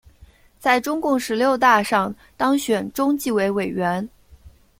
在中共十六大上当选中纪委委员。